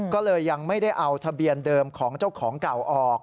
ก็เลยยังไม่ได้เอาทะเบียนเดิมของเจ้าของเก่าออก